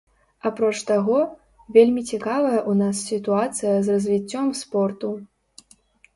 Апроч таго, вельмі цікавая ў нас сітуацыя з развіццём спорту.